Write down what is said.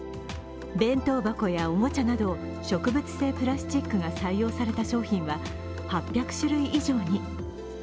弁当箱やおもちゃなど植物性プラスチックが採用された商品は８００種類以上に。